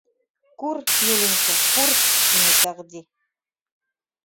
— Күр, Юлинька, күр, — тине Сәғди.